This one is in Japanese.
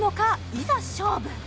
いざ勝負！